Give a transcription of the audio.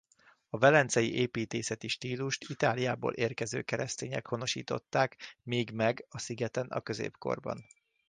A velencei építészeti stílust Itáliából érkező keresztények honosították még meg a szigeten a középkorban.